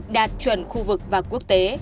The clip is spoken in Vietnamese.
đạt chuẩn khu vực và quốc tế